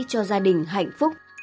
cho gia đình hạnh phúc